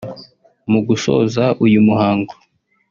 Mu gusoza uyu muhango